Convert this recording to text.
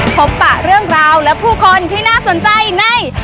ปะเรื่องราวและผู้คนที่น่าสนใจใน